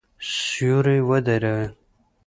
سیوری ودرېد.